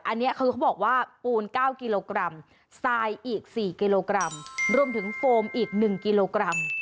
อันนี้คือเขาบอกว่าปูน๙กิโลกรัมทรายอีก๔กิโลกรัมรวมถึงโฟมอีก๑กิโลกรัม